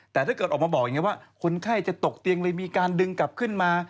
แต่ถ้าเกิดออกมาบอกอย่างนี้ว่าคนไข้จะตกเตียงเลยมีการดึงกลับขึ้นมา